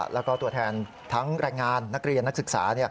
แล้วก็ตัวแทนทั้งแรงงานนักเรียนนักศึกษา